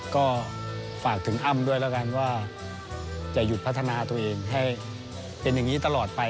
ก็ฝากถึงอ้ำด้วยแล้วกันว่าจะหยุดพัฒนาตัวเองให้เป็นอย่างนี้ตลอดไป